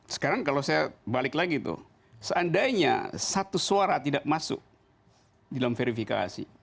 sekarang kalau saya balik lagi tuh seandainya satu suara tidak masuk dalam verifikasi